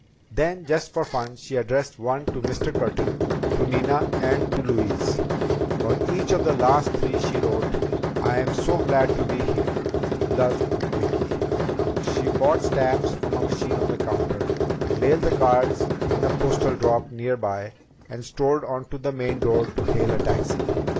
Then, just for fun, she addressed one to Mr. Curtin, to Nina and to Louise. On each of these last three, she wrote: "I'm so glad to be here. Love, Vicki." She bought stamps from a machine on the counter, mailed the cards in a postal drop nearby, and strolled on to the main door to hail a taxi.